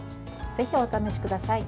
ぜひお試しください。